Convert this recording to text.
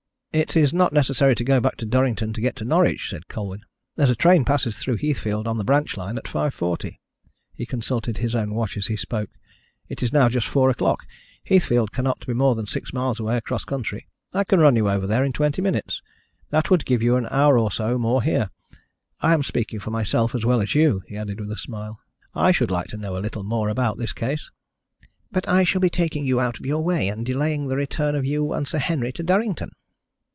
"It is not necessary to go back to Durrington, to get to Norwich," said Colwyn; "there's a train passes through Heathfield on the branch line, at 5.40." He consulted his own watch as he spoke. "It's now just four o'clock. Heathfield cannot be more than six miles away across country. I can run you over there in twenty minutes. That would give you an hour or so more here. I am speaking for myself as well as you," he added, with a smile. "I should like to know a little more about this case." "But I shall be taking you out of your way, and delaying the return of you and Sir Henry to Durrington."